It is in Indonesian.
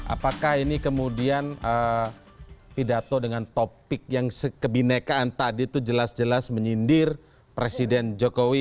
apakah ini kemudian pidato dengan topik yang kebinekaan tadi itu jelas jelas menyindir presiden jokowi